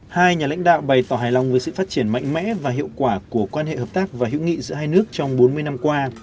hai nhà lãnh đạo bày tỏ hài lòng với sự phát triển mạnh mẽ và hiệu quả của quan hệ hợp tác và hữu nghị giữa hai nước trong bốn mươi năm qua